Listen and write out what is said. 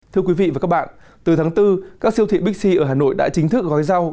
thưa quý vị và các bạn từ tháng bốn các siêu thị bixi ở hà nội đã chính thức gói rau